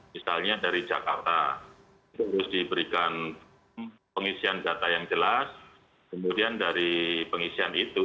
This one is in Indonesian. misalnya dari jakarta itu harus diberikan pengisian data yang jelas kemudian dari pengisian itu